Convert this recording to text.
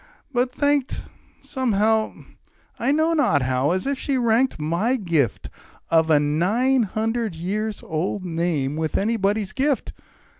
but thanked Somehow I know not how as if she ranked My gift of a nine hundred years old name With anybody's gift.